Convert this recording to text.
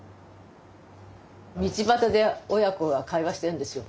道端で親子が会話してるんですよ。